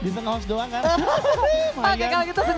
di tengah house doang kan gitu